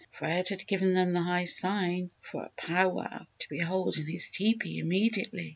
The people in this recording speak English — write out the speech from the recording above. Fred had given them the high sign for a pow wow to be held in his tee pee immediately!